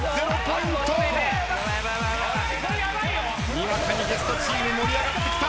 にわかにゲストチーム盛り上がってきた。